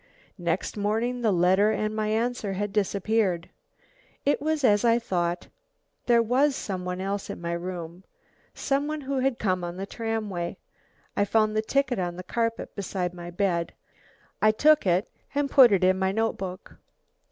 Next morning the letter and my answer had disappeared. It was as I thought; there was some one else in my room. Some one who had come on the tramway. I found the ticket on the carpet beside my bed. I took it and put it in my notebook!!!!!